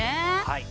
はい。